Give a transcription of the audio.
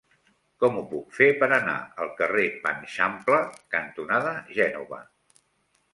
Com ho puc fer per anar al carrer Panxampla cantonada Gènova?